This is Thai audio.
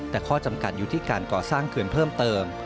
แต่ข้อจำกัดอยู่ที่การก่อสร้างเขื่อนเพิ่มเติม